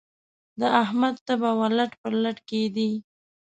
د احمد تبه وه؛ لټ پر لټ کېدی.